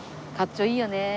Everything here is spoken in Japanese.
かっちょいいよね。